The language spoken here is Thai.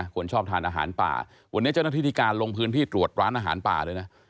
คนชอบทานอาหารป่าวันนี้เจ้าหน้าที่ที่การลงพื้นที่ตรวจร้านอาหารป่าเลยนะ